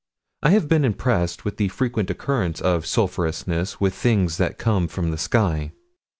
I have been impressed with the frequent occurrence of sulphurousness with things that come from the sky.